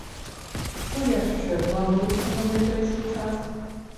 Што яшчэ плануецца на бліжэйшы час?